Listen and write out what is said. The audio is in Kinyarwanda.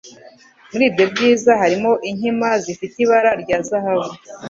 Muri ibyo byiza harimo Inkima zifite ibara rya Zahabu